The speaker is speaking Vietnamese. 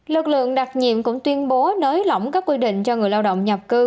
lực lượng đặc nhiệm cũng tuyên bố nới lỏng các quy định cho người lao động nhập cư